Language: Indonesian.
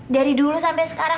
dari dulu sampai sekarang